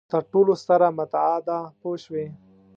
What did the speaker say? تر ټولو ستره متاع ده پوه شوې!.